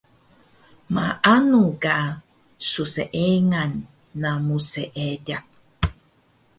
Maanu ka sseengan namu seediq